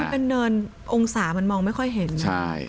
เป็นเนินองศามันมองไม่ค่อยเห็น